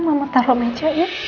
mama taruh meja ya